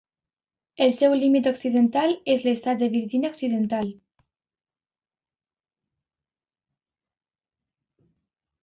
El seu límit occidental és l'Estat de Virgínia Occidental.